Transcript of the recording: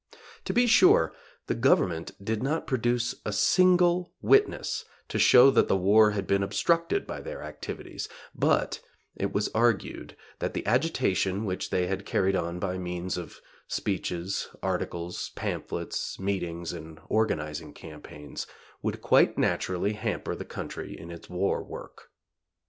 To be sure the Government did not produce a single witness to show that the war had been obstructed by their activities; but it was argued that the agitation which they had carried on by means of speeches, articles, pamphlets, meetings and organizing campaigns, would quite naturally hamper the country in its war work.